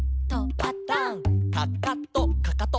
「パタン」「かかとかかと」